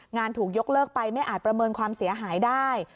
ถูกยกเลิกไปไม่อาจประเมินความเสียหายได้